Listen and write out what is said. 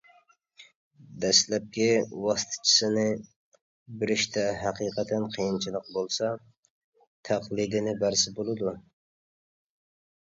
دەسلەپكى ۋاسىتىچىسىنى بېرىشتە ھەقىقەتەن قىيىنچىلىق بولسا، تەقلىدىنى بەرسە بولىدۇ.